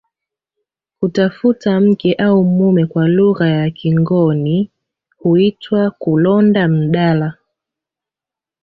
Kutafuta mke au mume kwa lugha ya kingoni huitwa kulonda mdala